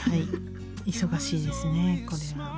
忙しいですねこれはもう。